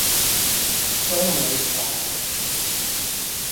東門橋